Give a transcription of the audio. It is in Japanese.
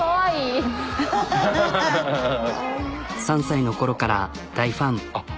３歳の頃から大ファン。